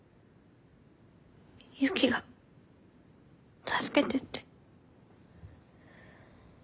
ユキが助けてって。